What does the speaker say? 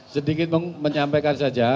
sedikit menyampaikan saja